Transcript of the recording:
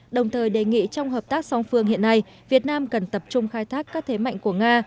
đồng thời đề nghị trong hợp tác song phương hiện nay việt nam cần tập trung khai thác các thế mạnh của nga